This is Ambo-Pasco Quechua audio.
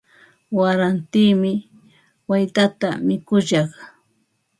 Warantimi waytata mikushaq.